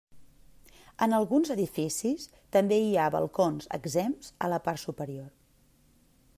En alguns edificis també hi ha balcons exempts a la planta superior.